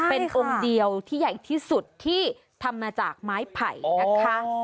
เป็นองค์เดียวที่ใหญ่ที่สุดที่ทำมาจากไม้ไผ่นะคะ